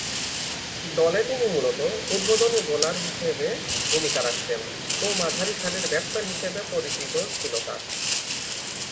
দলে তিনি মূলতঃ উদ্বোধনী বোলার হিসেবে ভূমিকা রাখতেন ও মাঝারি-সারির ব্যাটসম্যান হিসেবে পরিচিত ছিল তার।